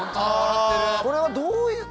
これはどういう？